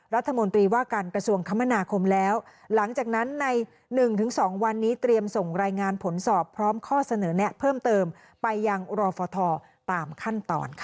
รัฐมนตรีว่าการกระทรวงคมธนาคมแล้ว